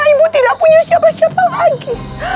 ibu tidak punya siapa siapa lagi